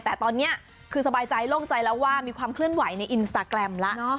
แต่ตอนนี้คือสบายใจโล่งใจแล้วว่ามีความเคลื่อนไหวในอินสตาแกรมแล้ว